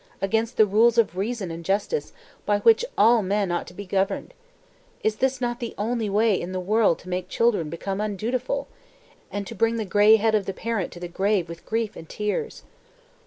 Against the rules of reason and justice, by which all men ought to be governed? Is not this the only way in the world to make children become undutiful? and to bring the grey head of the parent to the grave with grief and tears?